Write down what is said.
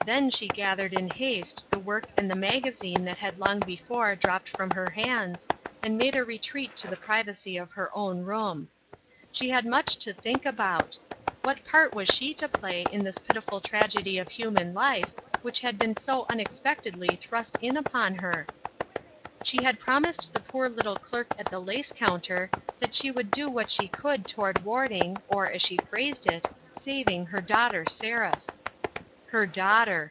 Then she gathered in haste the work and the magazine that had long before dropped from her hands, and made a retreat to the privacy of her own room. She had much to think about. What part was she to play in this pitiful tragedy of human life which had been so unex pectedly thrust in upon her ? 174 A TROUBLESOME " YOUNG PERSON." She had promised the poor little clerk at the lace counter that she would do what she could toward warning, or, as she phrased it, " saving " her daughter Seraph. Her daughter